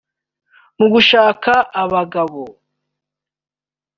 Mu gushaka abagabo